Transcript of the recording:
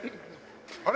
あれ？